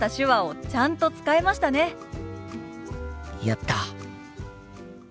やった！